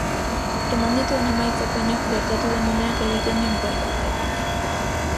Eman dituen emaitzek baino, gertatu den uneak egiten du inportante.